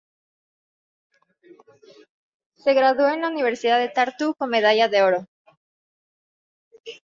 Se graduó en la Universidad de Tartu con medalla de oro.